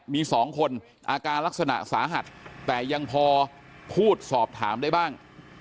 มี๒คนอาการลักษณะสาหัสแต่ยังพอพูดสอบถามได้บ้าง